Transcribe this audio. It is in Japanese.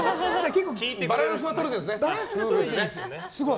バランスが取れているんですね。